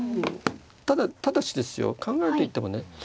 ただただしですよ考えるといってもね